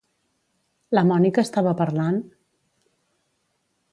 La Mònica estava parlant?